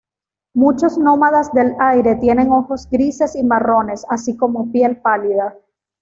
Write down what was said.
Muchos Nómadas del Aire tienen ojos grises y marrones así como piel pálida.